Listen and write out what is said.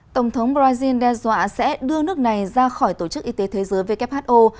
tổng thống brazil đe dọa sẽ đưa nước này ra khỏi tổ chức y tế thế giới who